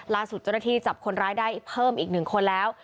ล่าสุดเจ้าหน้าที่จับคนร้ายได้เพิ่มอีก๑คนแล้ว